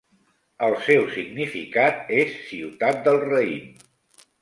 El seu significat és ciutat del raïm.